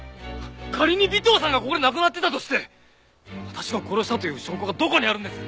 仮に尾藤さんがここで亡くなってたとして私が殺したという証拠がどこにあるんです？